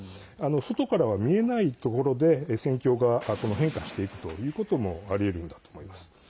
外からは見えないところで戦況が変化していくということもありえるんだと思います。